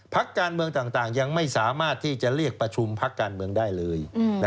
พักการเมืองต่างยังไม่สามารถที่จะเรียกประชุมพักการเมืองได้เลย